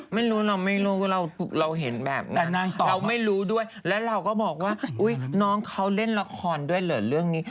ไม่รู้เราไม่รู้เราเห็นแบบนั้นเราไม่รู้ด้วยแล้วเราก็บอกว่าอุ๊ยน้องเขาเล่นละครด้วยเหรอเรื่องนี้